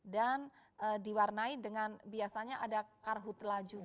dan diwarnai dengan biasanya ada karhutlah juga